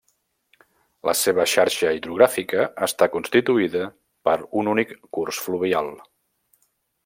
La seva xarxa hidrogràfica està constituïda per un únic curs fluvial.